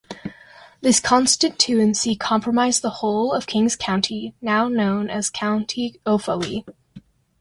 This constituency comprised the whole of King's County now known as County Offaly.